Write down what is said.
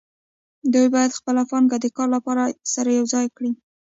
دوی باید خپله پانګه د کار لپاره سره یوځای کړي